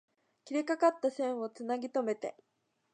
切れかかった線を繋ぎとめて